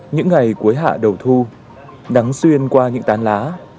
những ngày cuối hạ đầu thu nắng xuyên qua những tán lá